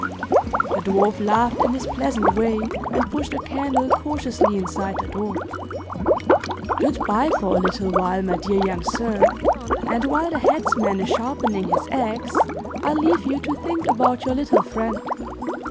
The dwarf laughed in his pleasant way, and pushed the candle cautiously inside the door. "Good by for a little while, my dear young sir, and while the headsmen is sharpening his axe, I'll leave you to think about your little friend.